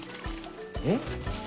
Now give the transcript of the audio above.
えっ？